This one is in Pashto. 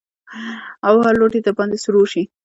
او هر لوټ يې د درباندې سور اور شي.